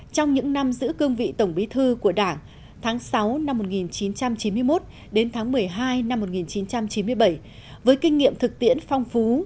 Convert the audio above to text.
trong những năm giữ cương vị tổng bí thư của đảng tháng sáu năm một nghìn chín trăm chín mươi một đến tháng một mươi hai năm một nghìn chín trăm chín mươi bảy với kinh nghiệm thực tiễn phong phú